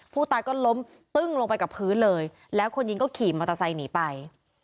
ผู้ตายก็ล้มตึ้งลงไปกับพื้นเลยแล้วคนยิงก็ขี่มอเตอร์ไซค์หนีไป